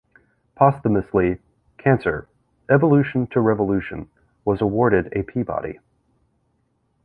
Posthumously, "Cancer: Evolution to Revolution" was awarded a Peabody.